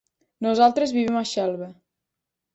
Nosaltres vivim a Xelva.